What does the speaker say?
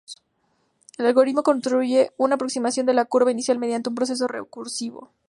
El algoritmo construye una aproximación de la curva inicial mediante un proceso recursivo.